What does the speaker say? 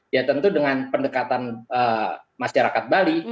ya tentu dengan pendekatan masyarakat bali